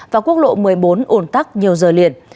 và quốc lộ một mươi bốn ổn tắc nhiều giờ liền